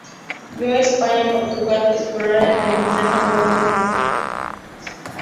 Vio a España y Portugal explorar el denominado "Nuevo mundo".